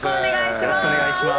よろしくお願いします。